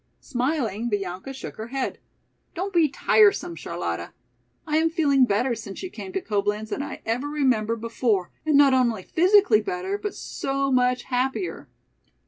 Smiling, Bianca shook her head. "Don't be tiresome, Charlotta. I am feeling better since you came to Coblenz than I ever remember before, and not only physically better but so much happier."